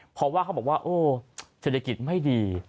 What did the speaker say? เพราะว่าเขาบอกว่าโอ้เศรษฐกิจไม่ดี